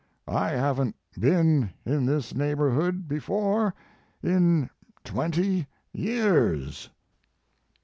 I haven t been in this neighborhood before in twenty years."